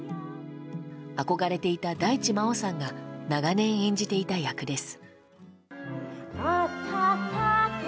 憧れていた大地真央さんが長年演じていた役です。